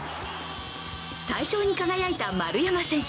大賞に輝いた丸山選手